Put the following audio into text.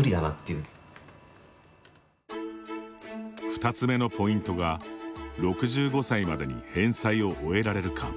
２つめのポイントが６５歳までに返済を終えられるか。